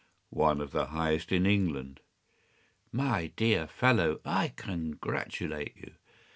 ” “One of the highest in England.” “My dear fellow, I congratulate you.